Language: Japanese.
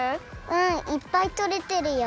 うんいっぱいとれてるよ。